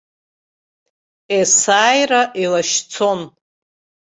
Есааира илашьцон.